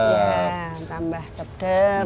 ya tambah sedap